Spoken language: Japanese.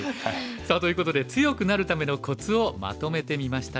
さあということで強くなるためのコツをまとめてみました。